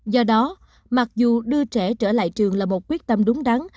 do đó mặc dù đưa trẻ trở lại trường là một quyết tâm đúng đắn